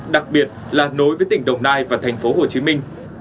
đặc biệt là nối với tỉnh đồng nai và thành phố hồ chí minh